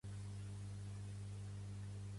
Va a la feina borratxo i no li fan proves d'alcolèmia